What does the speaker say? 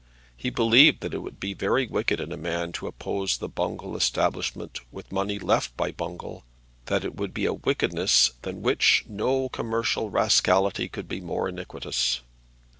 He believed that it would be very wicked in a man to oppose the Bungall establishment with money left by Bungall, that it would be a wickedness than which no commercial rascality could be more iniquitous.